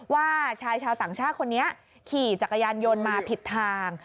ว่าชายชาวต่างชาติคนนี้ขี่จักรยานยนต์มาผิดทาง